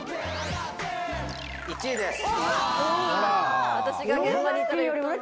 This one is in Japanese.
第１位です。